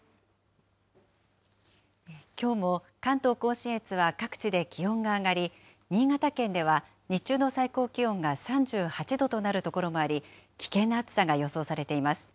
きょうも関東甲信越は各地で気温が上がり、新潟県では、日中の最高気温が３８度となる所もあり、危険な暑さが予想されています。